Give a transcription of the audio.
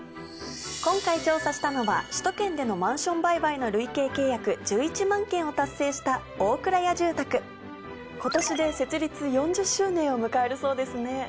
今回調査したのは首都圏でのマンション売買の累計契約１１万件を達成したオークラヤ住宅今年で設立４０周年を迎えるそうですね。